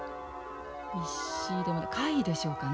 石でもない貝でしょうかね。